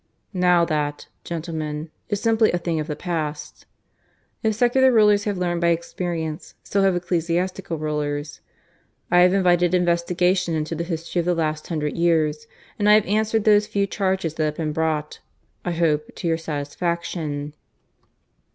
Now that, gentlemen, is simply a thing of the past. If secular rulers have learned by experience, so have ecclesiastical rulers. ... I have invited investigation into the history of the last hundred years; and I have answered those few charges that have been brought I hope to your satisfaction."